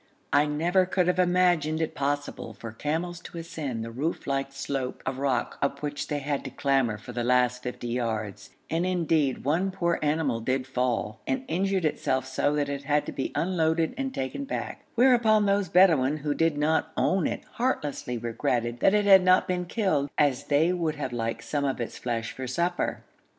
I never could have imagined it possible for camels to ascend the roof like slope of rock up which they had to clamber for the last 50 yards, and indeed, one poor animal did fall, and injured itself so that it had to be unloaded and taken back, whereupon those Bedouin who did not own it heartlessly regretted that it had not been killed, as they would have liked some of its flesh for supper.